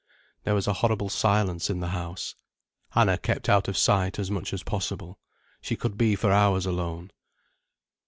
There was a horrible silence in the house. Anna kept out of sight as much as possible. She could be for hours alone.